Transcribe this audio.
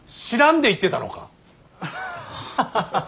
知らんで言ってたのか。